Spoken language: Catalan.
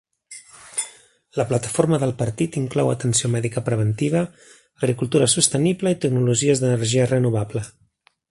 La plataforma del partit inclou atenció mèdica preventiva, agricultura sostenible i tecnologies d'energia renovable.